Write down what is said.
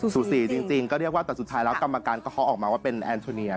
สูสีจริงก็เรียกว่าแต่สุดท้ายแล้วกรรมการก็เขาออกมาว่าเป็นแอนโทเนีย